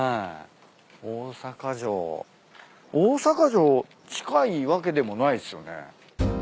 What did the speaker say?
大阪城近いわけでもないっすよね。